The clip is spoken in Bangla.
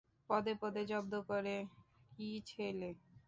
পদে পদে জব্দ করে, কী ছেলে।